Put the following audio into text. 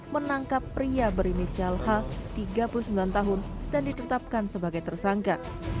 menangkap pria berinisial h tiga puluh sembilan tahun dan ditetapkan sebagai tersangka